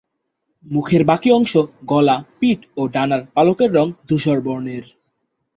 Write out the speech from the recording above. মুখের বাকি অংশ, গলা, পিঠ ও ডানার পালকের রঙ ধূসর বর্ণের।